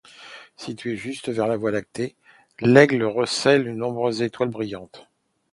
Située juste sur la Voie lactée, l'Aigle recèle de nombreuses étoiles brillantes.